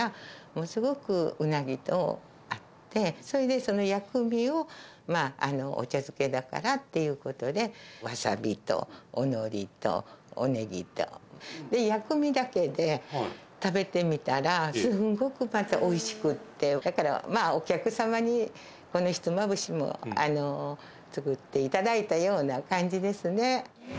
ものすごくうなぎと合って、そしてその薬味を、お茶漬けだからっていうことで、ワサビとおのりとおネギと、薬味だけで食べてみたら、すごくまたおいしくって、だから、お客様に、このひつまぶしも作っていただいたような感じですね。